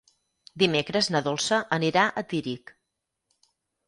Dimecres na Dolça anirà a Tírig.